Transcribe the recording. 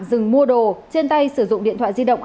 dừng mua đồ trên tay sử dụng điện thoại di động